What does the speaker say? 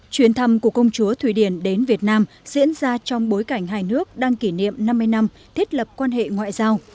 chuyến thăm của công chúa thụy điển đến việt nam diễn ra trong bối cảnh hai nước đang kỷ niệm năm mươi năm thiết lập quan hệ ngoại giao